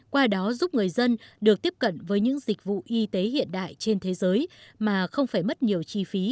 qua đó giúp người dân được tiếp cận với những dịch vụ y tế hiện đại trên thế giới mà không phải mất nhiều chi phí